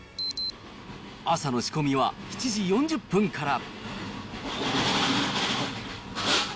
朝の仕込みは７時４０分から。